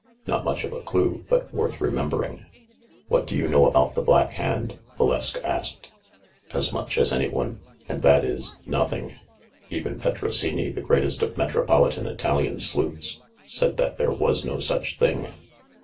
Not much of a clue, but worth remembering." "What do you know about the Black Hand?" Va leska asked. "As much as any one, and that is — nothing. Even Petrosini, the greatest of metropolitan Italian sleuths, said that there was no such thing.